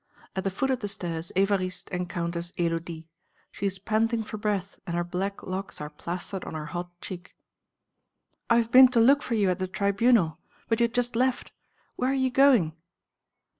At the foot of the stairs Évariste encounters Élodie; she is panting for breath and her black locks are plastered on her hot cheek. "I have been to look for you at the Tribunal; but you had just left. Where are you going?"